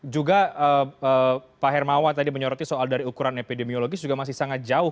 juga pak hermawan tadi menyoroti soal dari ukuran epidemiologis juga masih sangat jauh